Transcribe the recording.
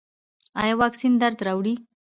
ایا واکسین درد راوړي؟